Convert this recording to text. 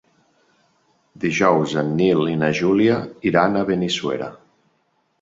Dijous en Nil i na Júlia iran a Benissuera.